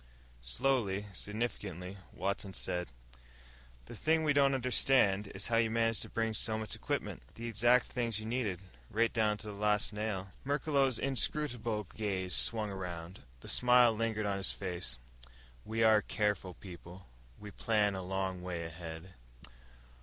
Slowly, significantly, Watson said, "The thing we don't understand is how you managed to bring so much equipment. The exact things you needed right down to the last nail." Merklos' inscrutable gaze swung around. The smile lingered on his face. "We are a careful people. We plan a long way ahead."